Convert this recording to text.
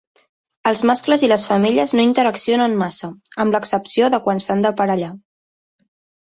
Els mascles i les femelles no interaccionen massa, amb l'excepció de quan s'han d'aparellar.